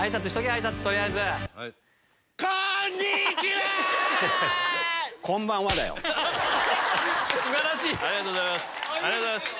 ありがとうございます。